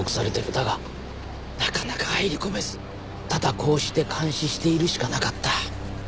だがなかなか入り込めずただこうして監視しているしかなかった。